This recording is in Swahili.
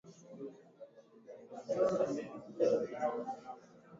viazi lishe vina virutubisho muhimu kwa mwili wa binadam